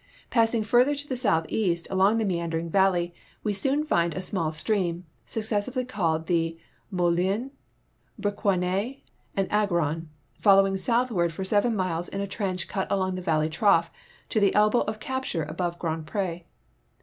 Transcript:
Passing further to the southeast along the meandering valley, we soon find a small stream, successively called the Moulin, Briquenay, and Agron, flowing soutliAvard for seven miles in a trench cut along the val ley trough to the elbow of capture above Grand Pre.